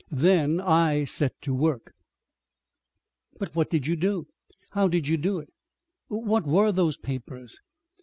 Then I set to work." "But what did you do? How did you do it? What were those papers?"